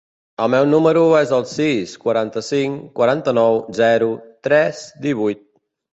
El meu número es el sis, quaranta-cinc, quaranta-nou, zero, tres, divuit.